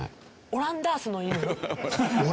「オランダースの犬」？